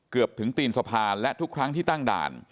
เกือบถึงตีนสะพานและทุกครั้งที่ตั้งด่าน